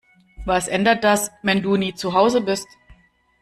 Was ändert das, wenn du nie zu Hause bist?